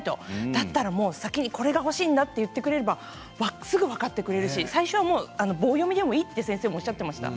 だから先に、これが欲しいんだと言ってくれれば分かってくれるし先生は最初は棒読みでいいっておっしゃっていました。